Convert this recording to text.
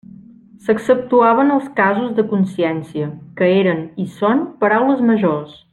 S'exceptuaven els casos de consciència, que eren, i són, paraules majors.